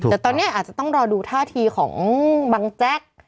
แต่ตอนนี้อาจจะต้องรอดูท่าทีของบังแจ๊ก